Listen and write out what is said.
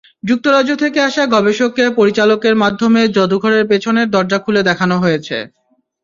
যুক্তরাজ্য থেকে আসা গবেষককে পরিচালকের মাধ্যমে জাদুঘরের পেছনের দরজা খুলে দেখানো হয়েছে।